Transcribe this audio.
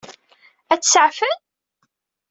Ad t-saɛfen?